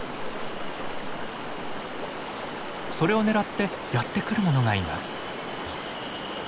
それを狙ってやってくるものがいます。